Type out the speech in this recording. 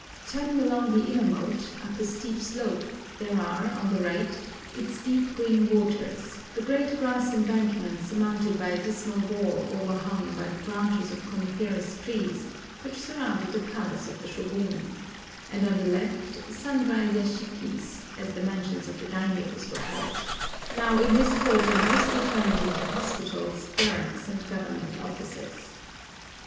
Turning along the inner moat, up a steep slope, there are, on the right, its deep green waters, the great grass embankment surmounted by a dismal wall overhung by the branches of coniferous trees which surrounded the palace of the Shôgun, and on the left sundry yashikis, as the mansions of the daimiyô were called, now in this quarter mostly turned into hospitals, barracks, and Government offices.